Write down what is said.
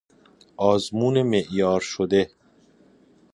آزمون معیارشده